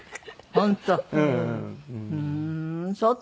本当？